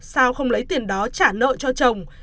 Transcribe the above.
sao không lấy tiền đó trả nợ cho chồng